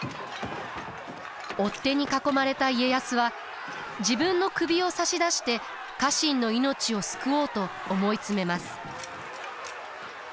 追っ手に囲まれた家康は自分の首を差し出して家臣の命を救おうと思い詰めます。